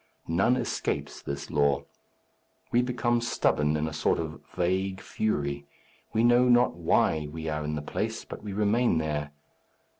None escapes this law. We become stubborn in a sort of vague fury. We know not why we are in the place, but we remain there.